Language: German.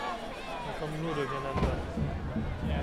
Man kommt nur durcheinander.